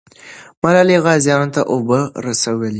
ملالۍ غازیانو ته اوبه رسولې.